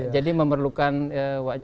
jadi memerlukan wajah islam di situ